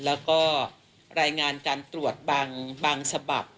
แล้วก็รายงานการตรวจบางฉบับ